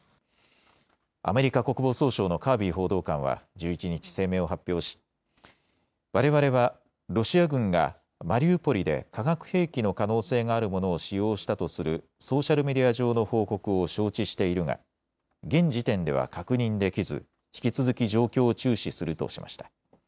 アメリカ国防総省のカービー報道官は１１日、声明を発表し、われわれはロシア軍がマリウポリで化学兵器の可能性があるものを使用したとするソーシャルメディア上の報告を承知しているが現時点では確認できず引き続き状況を注視するとしました。